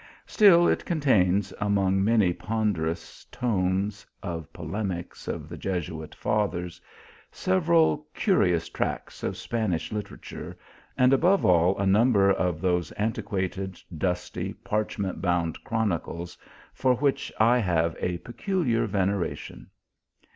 Still it contains, among many ponderous tomes of polemics of the Jesuit fathers, several curious tracts of Spanish literature, and above all, a number of those antiqua ted, dusty, parchment bound chronicles, for which I have a peculiar veneration.